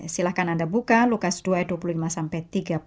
silahkan anda buka lukas dua s dua puluh lima sampai tiga puluh